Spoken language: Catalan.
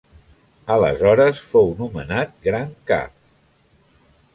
Aleshores fou nomenat gran cap.